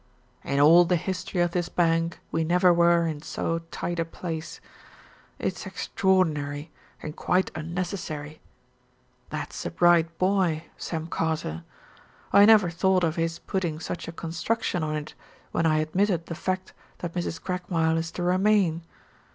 "In all the history of this bank we never were in so tight a place. It's extraordinary, and quite unnecessary. That's a bright boy Sam Carter. I never thought of his putting such a construction on it when I admitted the fact that Mrs. Craigmile is to remain.